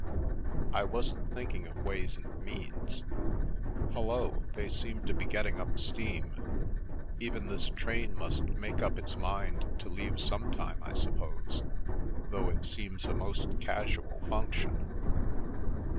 " I wasn't thinking of ways and means. Hullo ! they seem to be getting up steam. Even this train must make up its mind to leave some time, I suppose, though it seems a most casual function.